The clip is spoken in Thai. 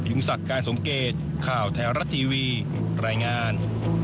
ยุ่งสักการณ์สมเกตข่าวแทรวรัตทีวีรายงาน